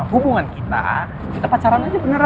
hubungan kita kita pacaran aja beneran